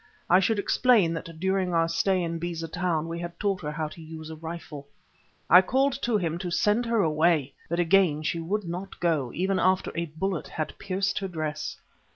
I should explain that during our stay in Beza Town we had taught her how to use a rifle. I called to him to send her away, but again she would not go, even after a bullet had pierced her dress.